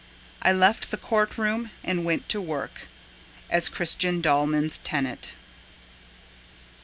I left the court room and went to work As Christian Dallman's tenant.